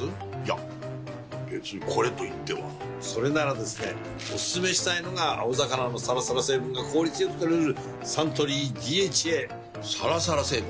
いや別にこれといってはそれならですねおすすめしたいのが青魚のサラサラ成分が効率良く摂れるサントリー「ＤＨＡ」サラサラ成分？